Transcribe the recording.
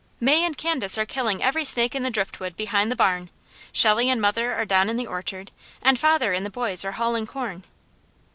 "May and Candace are killing every snake in the driftwood behind the barn, Shelley and mother are down in the orchard, and father and the boys are hauling corn."